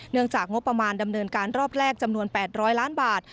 จากงบประมาณดำเนินการรอบแรกจำนวน๘๐๐ล้านบาท